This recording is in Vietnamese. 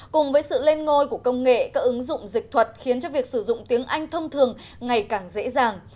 cùng với sự lên ngôi của công nghệ các ứng dụng dịch thuật khiến cho việc sử dụng tiếng anh thông thường ngày càng dễ dàng